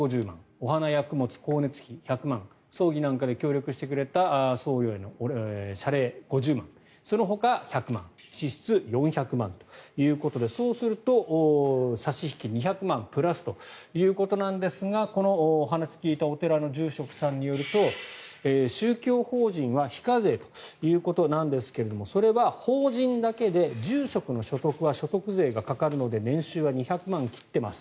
お花や供物、光熱費１００万葬儀なんかで協力してくれた僧侶への謝礼、５０万円そのほか、１００万円支出、４００万円ということでそうすると差し引き２００万プラスということなんですがこのお話を聞いたお寺の住職さんによると宗教法人は非課税ということなんですがそれは法人だけで住職の所得は所得税がかかるので年収は２００万円を切ってます